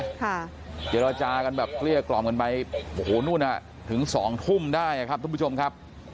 เดี๋ยวเราจากันแบบเกลี้ยกล่อมกันไปโอ้โหนู่นฮะถึง๒ทุ่มได้ครับทุกผู้ชมครับ